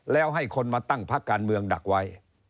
แล้วให้คนมาตั้งพักการเมืองดักไว้